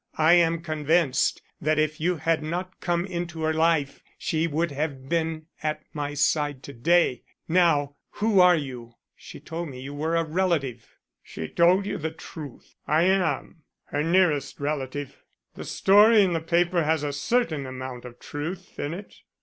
I am convinced that if you had not come into her life she would have been at my side to day. Now, who are you? She told me you were a relative." "She told you the truth; I am. Her nearest relative. The story in the paper has a certain amount of truth in it.